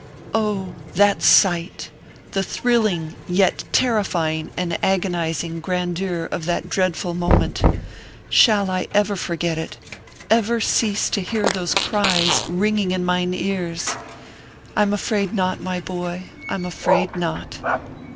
Oh, that sight ! the thrilling yet terrifying and agonizing grandeur of that dreadful moment ! shall I ever forget it ever cease to hear those cries ring ing in mine ears ? I m afraid not, my boy I m afraid not.